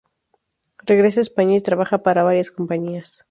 Regresa a España y trabaja para varias compañías.